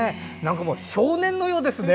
少年のようですね。